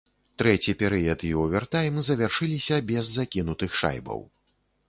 Трэці перыяд і овертайм завяршыліся без закінутых шайбаў.